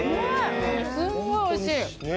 すんごいおいしい。